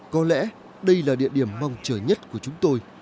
có lẽ đây là địa điểm mong chờ nhất của chúng tôi